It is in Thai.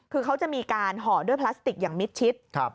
คือเขาจะมีการห่อด้วยพลาสติกอย่างมิดชิด